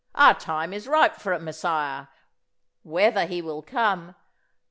Our time is ripe for a Messiah. Whether he will come